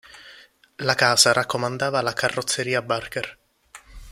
La Casa raccomandava la carrozzeria Barker.